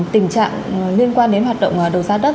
tình trạng liên quan đến hoạt động đấu giá đất